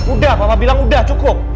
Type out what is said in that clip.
udah bapak bilang udah cukup